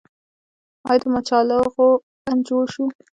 آیا د مچالغو بند جوړ شو؟